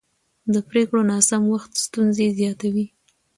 د پرېکړو ناسم وخت ستونزې زیاتوي